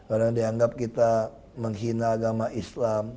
orang yang dianggap kita menghina agama islam